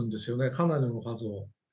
かなりの数を。